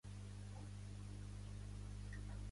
Tenir molta merda al bidet